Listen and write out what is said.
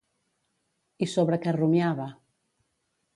I sobre què rumiava?